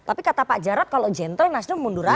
tapi kata pak jarad kalau gentle nasdem mundur saja